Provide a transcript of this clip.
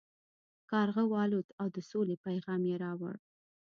کارغه والوت او د سولې پیام یې راوړ.